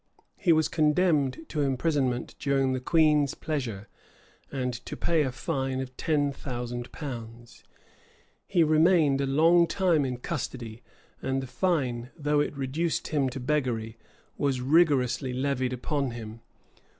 He was condemned to imprisonment during the queen's pleasure, and to pay a fine of ten thousand pounds. He remained a long time in custody; and the fine, though it reduced him to beggary, was rigorously levied upon him.